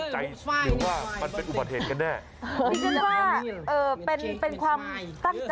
เห้ย